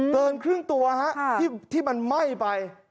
เกินครึ่งตัวฮะที่มันไหม้ไป